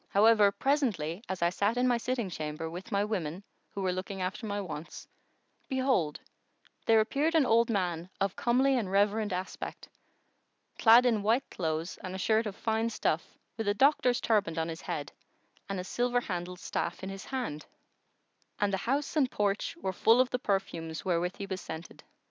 However, presently, as I sat in my sitting chamber, with my women who were looking after my wants, behold, there appeared an old man of comely and reverend aspect,[FN#119] clad in white clothes and a shirt of fine stuff with a doctor's turband on his head and a silver handled staff in his hand, and the house and porch were full of the perfumes wherewith he was scented.